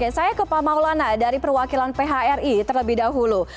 saya ke pak maulana dari perwakilan phri terlebih dahulu